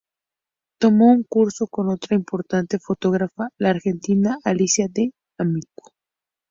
Tomó un curso con otra importante fotógrafa, la argentina Alicia D’ Amico.